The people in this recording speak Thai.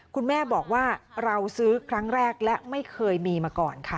คุณแม่บอกว่าเราซื้อครั้งแรกและไม่เคยมีมาก่อนค่ะ